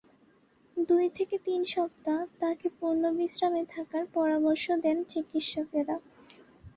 দুই থেকে তিন সপ্তাহ তাঁকে পূর্ণ বিশ্রামে থাকার পরামর্শ দেন চিকিৎসকেরা।